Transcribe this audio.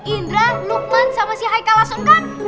indra lukman sama si hai kalasun kan